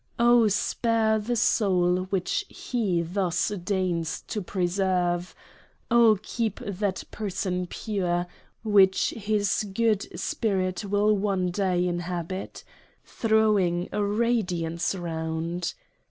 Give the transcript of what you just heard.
Oh spare the Soul which HE thus deigns to preserve ; Oh keep that Person pure, which his good Spirit will one Day inhabit — throwing a Radiance round.